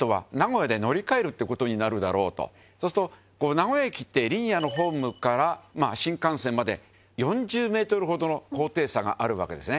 名古屋駅ってリニアのホームから新幹線まで苅メートルほどの高低差があるわけですね。